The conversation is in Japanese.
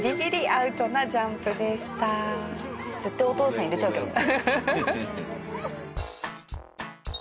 絶対お父さん入れちゃうけどな。